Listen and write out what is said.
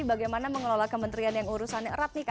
bagaimana mengelola kementerian yang urusannya erat nih